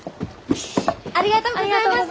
ありがとうございます！